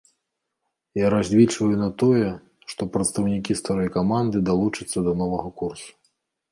Я разлічваю на тое, што прадстаўнікі старой каманды далучацца да новага курсу.